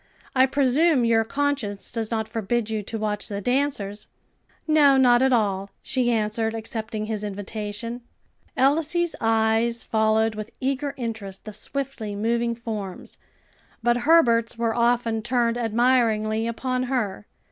I presume your conscience does not forbid you to watch the dancers?" "No, not at all," she answered, accepting his invitation. Elsie's eyes followed with eager interest the swiftly moving forms, but Herbert's were often turned admiringly upon her.